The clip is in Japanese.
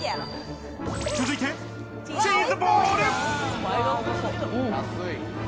続いて、チーズボール！